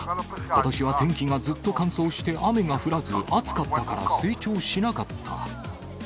ことしは天気がずっと乾燥して雨が降らず、暑かったから、成長しなかった。